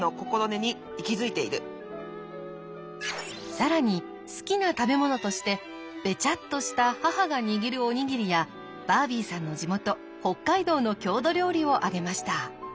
更に好きな食べ物としてべちゃっとした母が握るおにぎりやバービーさんの地元北海道の郷土料理を挙げました。